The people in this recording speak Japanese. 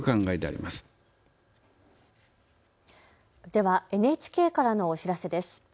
ではＮＨＫからのお知らせです。